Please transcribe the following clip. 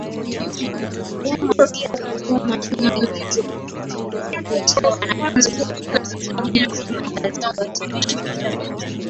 vema pia kusema kuwa shule hizo huvutia wanafunzi kutoka Tanzania nzima haziwasomeshi Wachagga tu